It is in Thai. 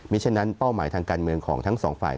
ฉะนั้นเป้าหมายทางการเมืองของทั้งสองฝ่าย